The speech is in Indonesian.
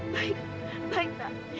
baik baik nak